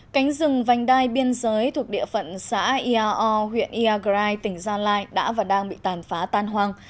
cánh rừng vành đai biên giới thuộc địa phận xã iao huyện iagrai tỉnh gia lai đã và đang bị tàn phá tan hoang